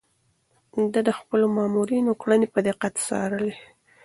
ده د خپلو مامورينو کړنې په دقت څارلې.